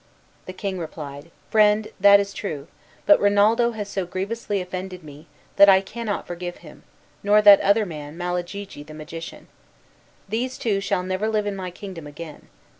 The king replied, "Friend, that is true; but Rinaldo has so grievously offended me, that I cannot forgive him, nor that other man, Malagigi, the magician. These two shall never live in my kingdom again.